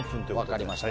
分かりました。